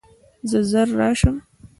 زه ژر راشم.